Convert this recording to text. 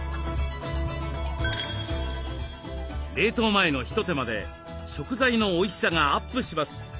冷凍前の一手間で食材のおいしさがアップします。